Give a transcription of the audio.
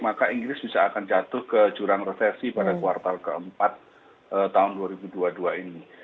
maka inggris bisa akan jatuh ke jurang resesi pada kuartal keempat tahun dua ribu dua puluh dua ini